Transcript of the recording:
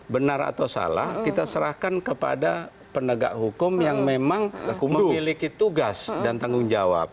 benar atau salah kita serahkan kepada penegak hukum yang memang memiliki tugas dan tanggung jawab